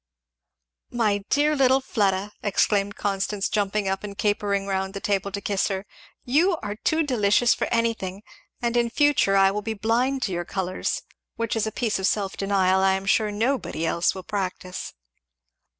"My dear little Fleda!" exclaimed Constance jumping up and capering round the table to kiss her, "you are too delicious for anything; and in future I will be blind to your colours; which is a piece of self denial I am sure nobody else will practise."